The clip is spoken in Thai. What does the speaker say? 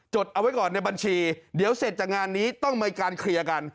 เอาไว้ก่อนในบัญชีเดี๋ยวเสร็จจากงานนี้ต้องมีการเคลียร์กัน